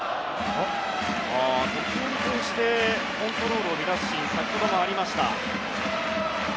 時折コントロールを乱すシーンが先ほどもありました。